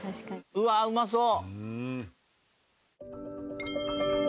うわあうまそう！